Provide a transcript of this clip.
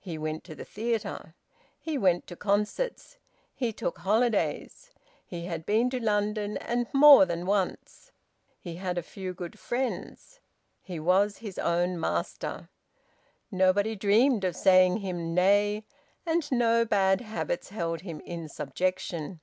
He went to the theatre. He went to concerts. He took holidays. He had been to London, and more than once. He had a few good friends. He was his own master. Nobody dreamed of saying him nay, and no bad habits held him in subjection.